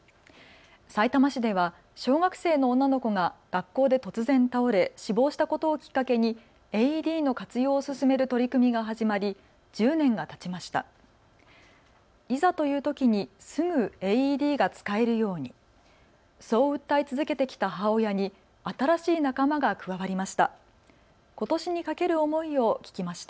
さいたま市では小学生の女の子が学校で突然、倒れ、死亡したことをきっかけにＡＥＤの活用を進める取り組みが始まり１０年がたちました。